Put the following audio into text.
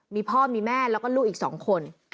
มีพ่อมีแม่แล้วก็ลูกอีก๒คน